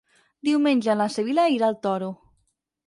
Diumenge na Sibil·la irà al Toro.